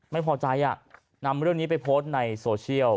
ไม่พอใจนำเรื่องนี้ไปโพสต์ในโซเชียล